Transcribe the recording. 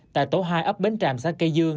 tại tổ hai ấp bến tràm xã cây dương